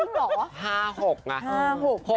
ไม่จริงหรอ